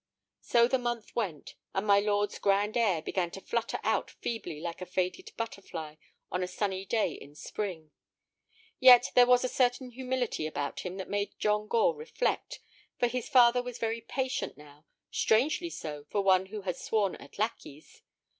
So the month went, and my lord's "grand air" began to flutter out feebly like a faded butterfly on a sunny day in spring. Yet there was a certain humility about him that made John Gore reflect, for his father was very patient now, strangely so for one who had sworn at lackeys.